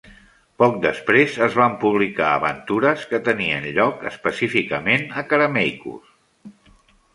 Poc després, es van publicar aventures que tenien lloc específicament a Karameikos.